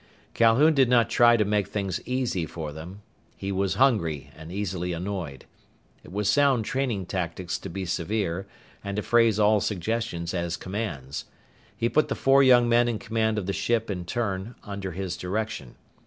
Calhoun did not try to make things easy for them. He was hungry and easily annoyed. It was sound training tactics to be severe, and to phrase all suggestions as commands. He put the four young men in command of the ship in turn, under his direction.